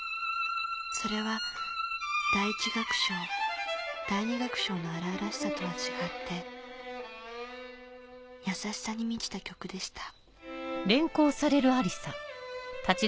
それは第一楽章第二楽章の荒々しさとは違って優しさに満ちた曲でした